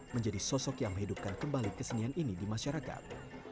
menjadi sosok yang menghidupkan kembali kesenian ini di masyarakat